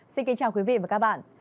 xin kính chào quý vị và các bạn